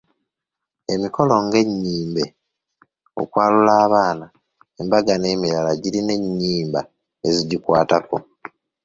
Emikolo nga ennyimbe, okwalula abaana, embaga n’emirala girina ennyimba ezigikwatako.